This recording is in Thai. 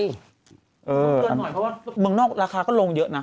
เตือนหน่อยเพราะว่าเมืองนอกราคาก็ลงเยอะนะ